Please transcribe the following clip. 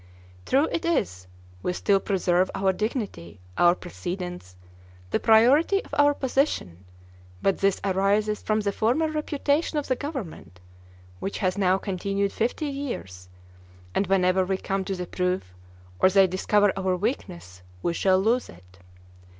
True it is, we still preserve our dignity, our precedence, the priority of our position, but this arises from the former reputation of the government, which has now continued fifty years; and whenever we come to the proof, or they discover our weakness we shall lose it.